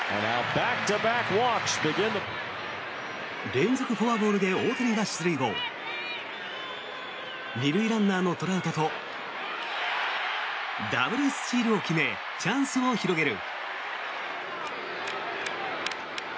連続フォアボールで大谷が出塁後２塁ランナーのトラウトとダブルスチールを決めチャンスを広げる。